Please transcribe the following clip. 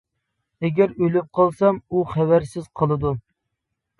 ئەگەر ئۆلۈپ قالسام ئۇ خەۋەرسىز قالىدۇ.